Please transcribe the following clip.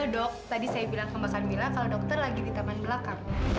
dok tadi saya bilang ke mbak camilla kalau dokter lagi di taman belakang